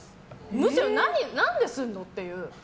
むしろ何でするの？っていう。